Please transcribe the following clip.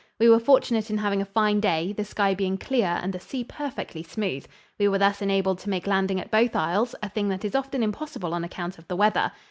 We were fortunate in having a fine day, the sky being clear and the sea perfectly smooth. We were thus enabled to make landing at both isles, a thing that is often impossible on account of the weather.